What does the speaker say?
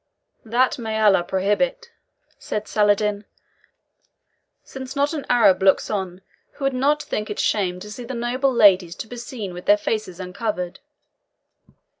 "That may Allah prohibit!" said Saladin, "since not an Arab looks on who would not think it shame to the noble ladies to be seen with their faces uncovered."